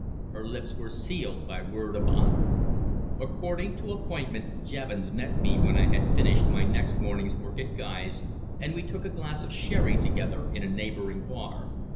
Her lips were sealed by word of honour. According to appointment Jevons met me when I had finished my next morning's work at Guy's, and we took a glass of sherry together in a neighbouring bar.